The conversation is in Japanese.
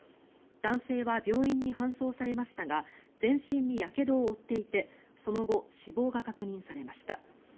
男性は病院に搬送されましたが全身にやけどを負っていてその後、死亡が確認されました。